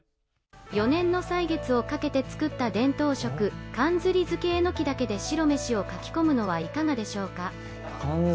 ４年の歳月をかけて作った伝統食、かんずり漬えのき茸で白めしをかき込むのはいかがでしょうか。